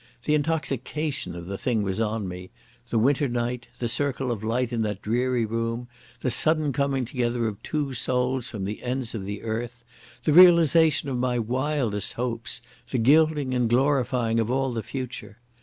The intoxication of the thing was on me—the winter night, the circle of light in that dreary room, the sudden coming together of two souls from the ends of the earth, the realisation of my wildest hopes, the gilding and glorifying of all the future.